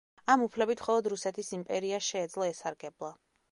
ამ უფლებით მხოლოდ რუსეთის იმპერიას შეეძლო ესარგებლა.